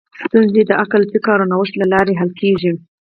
ستونزې د عقل، فکر او نوښت له لارې حل کېږي.